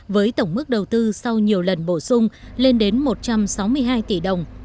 với tổng mức đầu tư sau nhiều lần bổ sung lên đến một trăm sáu mươi hai tỷ đồng